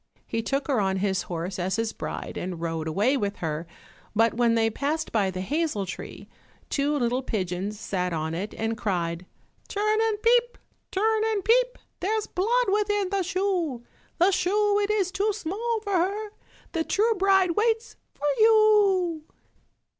He took her on his horse as his bride, and rode away with her, but when they passed by the hazel tree, two little pigeons sat on it and cried, "Turn and peep, turn and peep, There's blood within the shoe The shoe it is too small for her, The true bride waits for you."